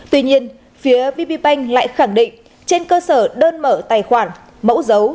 tuy nhiên phía vp bank lại khẳng định trên cơ sở đơn mở tài khoản mẫu dấu